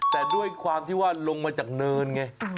แต่ด้วยความที่ว่าลงมาจากเนินไง